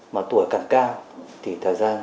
mà tuổi càng cao thì thời gian